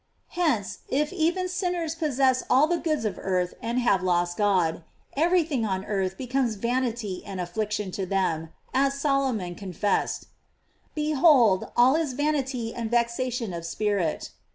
f Hence, if even sinners possess all the goods of earth and have lost God, every thing on earth becomes vanity and affliction to them, as Solomon confessed: *' Behold, all is vanity and vexation of spirit."